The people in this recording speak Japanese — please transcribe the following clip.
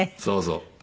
そうそう。